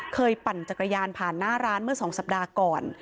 ปั่นจักรยานผ่านหน้าร้านเมื่อ๒สัปดาห์ก่อน